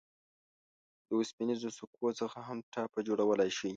د اوسپنیزو سکو څخه هم ټاپه جوړولای شئ.